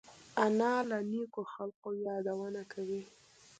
انا له نیکو خلقو یادونه کوي